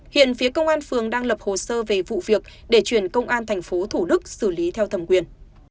hiện phía công an phường đang lập hồ sơ về vụ việc để chuyển công an tp thủ đức xử lý theo thẩm quyền